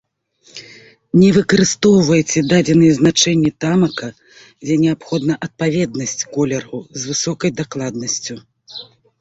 Не выкарыстоўвайце дадзеныя значэнні тамака, дзе неабходна адпаведнасць колераў з высокай дакладнасцю.